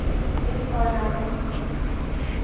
Пеш палена тудым...